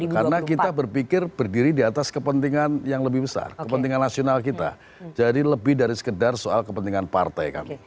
karena kita berpikir berdiri di atas kepentingan yang lebih besar kepentingan nasional kita jadi lebih dari sekedar soal kepentingan partai kami